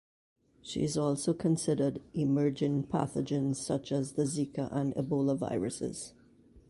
She has also considered emerging pathogens such as the Zika and Ebola viruses.